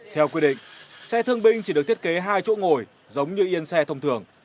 theo quy định xe thương binh chỉ được thiết kế hai chỗ ngồi giống như yên xe thông thường